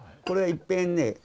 これはいっぺんね